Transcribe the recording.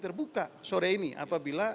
terbuka sore ini apabila